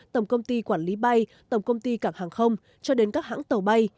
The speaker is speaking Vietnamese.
tổng công ty quản lý bay tổng công ty cảng hàng không cho đến các hãng tàu bay